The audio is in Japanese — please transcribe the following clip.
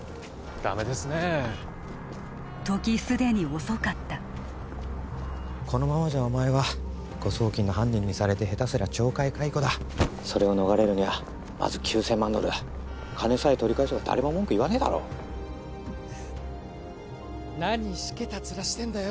ダメですね時既に遅かったこのままじゃお前は誤送金の犯人にされて下手すりゃ懲戒解雇だ☎それを逃れるにはまず９千万ドルだ☎金さえ取り返せば誰も文句言わねえだろ何しけたツラしてんだよ